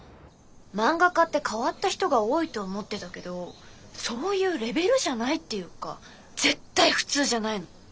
漫画家って変わった人が多いと思ってたけどそういうレベルじゃないっていうか絶対普通じゃないの。